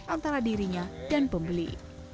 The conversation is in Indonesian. antara dirinya dan pembeli